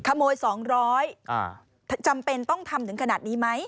ขโมย๒๐๐จำเป็นต้องทำถึงขนาดนี้ไหม